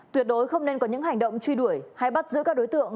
tuyệt đối không nên có những hành động truy đuổi hay bắt giữ các đối tượng